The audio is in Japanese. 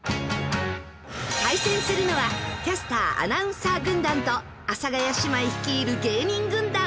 対戦するのはキャスター・アナウンサー軍団と阿佐ヶ谷姉妹率いる芸人軍団。